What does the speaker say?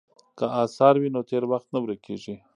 که اثار وي نو تېر وخت نه ورکیږي.